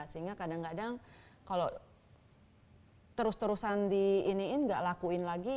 sehingga kadang kadang kalau terus terusan di iniin nggak lakuin lagi